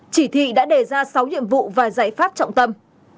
chỉ thị đã đề ra sáu nhiệm vụ và giải pháp trọng tâm